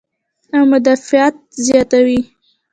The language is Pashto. او مدافعت زياتوي -